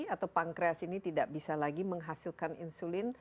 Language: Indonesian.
atau pankreas ini tidak lagi bisa menghasilkan insulin